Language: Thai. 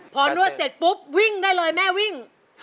พอนวดเสร็จปุ๊บวิ่งได้เลยแม่วิ่ง